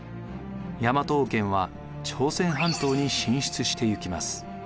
大和王権は朝鮮半島に進出していきます。